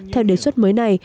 theo đề xuất mới này